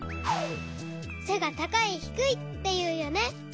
せが「たかい」「ひくい」っていうよね。